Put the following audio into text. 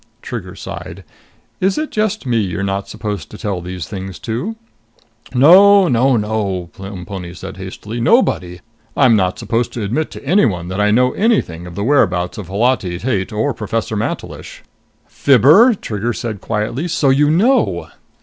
Trigger sighed. "Is it just me you're not supposed to tell these things to?" "No, no, no," Plemponi said hastily. "Nobody. I'm not supposed to admit to anyone that I know anything of the whereabouts of Holati Tate or Professor Mantelish." "Fibber!" Trigger said quietly. "So you know!"